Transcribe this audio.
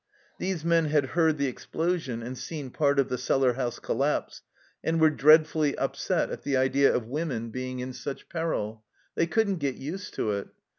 These men had heard the explosion and seen part of the cellar house collapse, and were dreadfully upset at the idea of women being in 180 THE CELLAR HOUSE OF PERVYSE such peril. They couldn't get used to it.